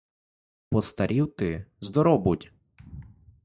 Постарів ти, здоров будь.